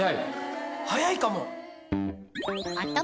速いかも。